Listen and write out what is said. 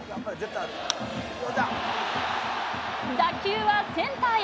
打球はセンターへ。